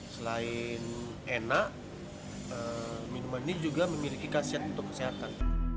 selain enak minuman ini juga memiliki khasiat untuk kesehatan